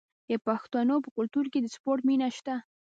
د پښتنو په کلتور کې د سپورت مینه شته.